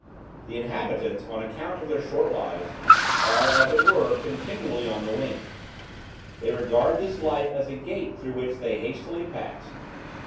The inhabitants, on account of their short lives, are, as it were, continually on the wing. They regard this life as a gate through which they hastily pass.